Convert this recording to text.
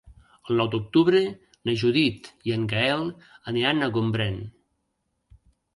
El nou d'octubre na Judit i en Gaël aniran a Gombrèn.